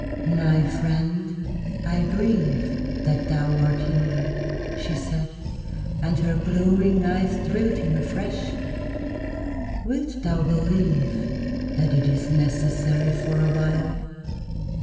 "My friend, I grieve that thou art here," she said, and her glowing eyes thrilled him afresh. "Wilt thou believe that it is necessary for a while?"